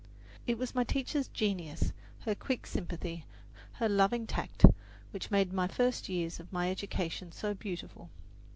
It was my teacher's genius, her quick sympathy, her loving tact which made the first years of my education so beautiful.